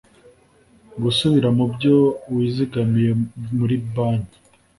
gusubira mubyo wizigamiye muri banki